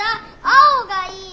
青がいい！